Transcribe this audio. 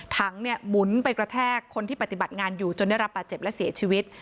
ถังเนี่ยหมุนไปกระแทกคนที่ปฏิบัติงานอยู่จนได้รับบาดเจ็บและเสียชีวิต